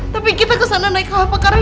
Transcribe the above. tapi kita kesana naik kawah pekara